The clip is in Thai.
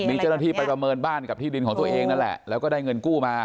มีเจ้าหน้าที่ไปประเมินบ้านกับที่ดินของตัวเองนั่นแหละแล้วก็ได้เงินกู้มา